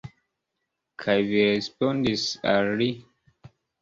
Kaj vi respondis al li?